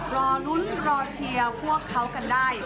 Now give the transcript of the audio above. รอลุ้นรอเชียร์พวกเขากันได้